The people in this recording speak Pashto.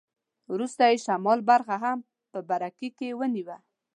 وروسته یې شمال برخه هم په برکې ونیوه.